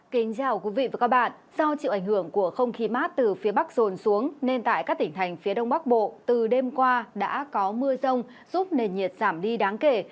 kính chào quý vị và các bạn do chịu ảnh hưởng của không khí mát từ phía bắc rồn xuống nên tại các tỉnh thành phía đông bắc bộ từ đêm qua đã có mưa rông giúp nền nhiệt giảm đi đáng kể